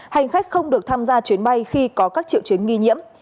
hành khách không được tham gia chuyến bay khi có các triệu chứng nghi nhiễm